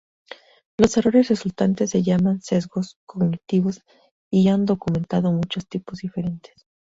Los errores resultantes se llaman "sesgos cognitivos" y se han documentado muchos tipos diferentes.